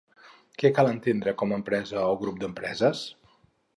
Què cal entendre com a empresa o grup d'empreses?